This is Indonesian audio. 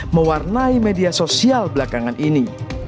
mewarnai media sosial belakangan ini